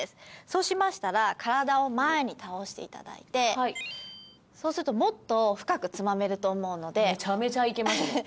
そうしましたら体を前に倒していただいてそうするともっと深くつまめると思うのでめちゃめちゃいけますね